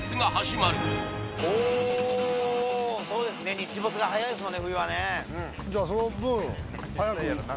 日没が早いですもんね